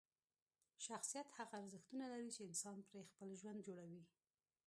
شخصیت هغه ارزښتونه لري چې انسان پرې خپل ژوند جوړوي.